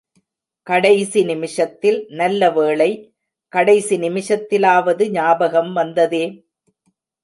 கடைசி நிமிஷத்தில்... நல்ல வேளை, கடைசி நிமிஷத்திலாவது ஞாபகம் வந்ததே!